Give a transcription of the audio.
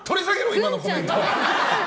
今のコメント！